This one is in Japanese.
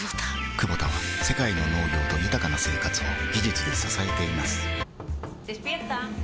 クボタは世界の農業と豊かな生活を技術で支えています起きて。